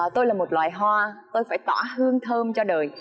tôi là một loài hoa tôi phải tỏa hương thơm cho đời